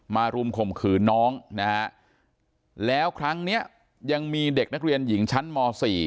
รุมข่มขืนน้องนะฮะแล้วครั้งเนี้ยยังมีเด็กนักเรียนหญิงชั้นม๔